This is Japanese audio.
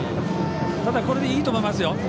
ただ、これでいいと思いますよ。